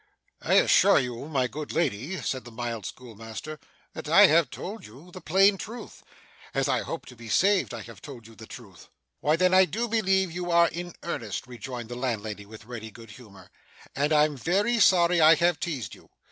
'I assure you, my good lady,' said the mild schoolmaster, 'that I have told you the plain truth. As I hope to be saved, I have told you the truth.' 'Why then, I do believe you are in earnest,' rejoined the landlady, with ready good humour, 'and I'm very sorry I have teazed you.